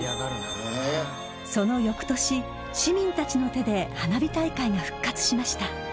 その翌年、市民たちの手で花火大会が復活しました。